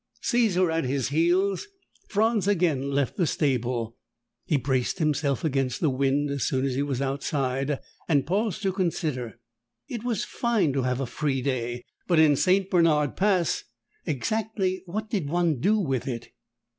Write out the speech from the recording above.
Caesar at his heels, Franz again left the stable. He braced himself against the wind as soon as he was outside and paused to consider. It was fine to have a free day, but in St. Bernard Pass, exactly what did one do with it?